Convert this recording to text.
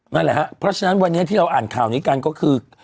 นั่นแหละครับเพราะฉะนั้นวันนี้ที่เราอ่านข่าวนี้กันก็คือ